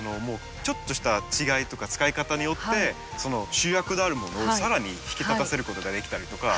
ちょっとした違いとか使い方によってその主役であるものを更に引き立たせることができたりとか